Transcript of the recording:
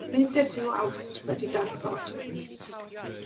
Nid ydyw Awst wedi darfod.